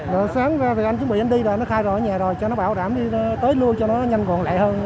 nó khai rõ ở nhà rồi cho nó bảo rảm đi tới lưu cho nó nhanh còn lẹ hơn